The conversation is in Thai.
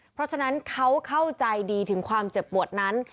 เพราะฉะนั้นเขาเข้าใจดีถึงความเจ็บปวดนั้น